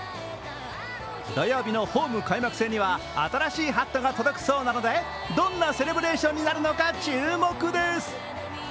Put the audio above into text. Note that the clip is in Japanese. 土曜日のホーム開幕戦には新しいハットが届くそうなのでどんなセレブレーションになるのか注目です。